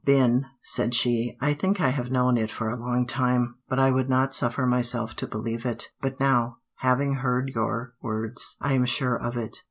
"Ben," said she, "I think I have known it for a long time, but I would not suffer myself to believe it; but now, having heard your words, I am sure of it."